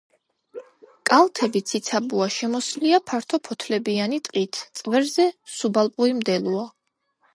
კალთები ციცაბოა, შემოსილია ფართოფოთლოვანი ტყით, წვერზე სუბალპური მდელოა.